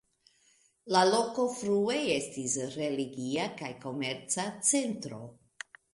La loko frue estis religia kaj komerca centro.